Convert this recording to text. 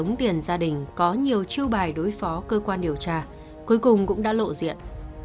những tiền gia đình có nhiều chiêu bài đối phó cơ quan điều tra cuối cùng cũng đã lộ diện